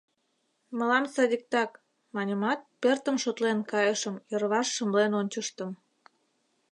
— Мылам садиктак, — маньымат, пӧртым шотлен кайышым, йырваш шымлен ончыштым.